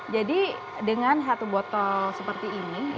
jadi dengan satu botol seperti ini